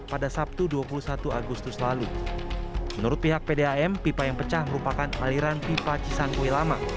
pada sabtu dua puluh satu agustus lalu menurut pihak pdam pipa yang pecah merupakan aliran pipa cisangkui lama